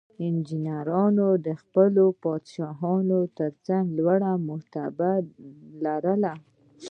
انجینرانو د خپلو پادشاهانو ترڅنګ لوړه مرتبه لرله.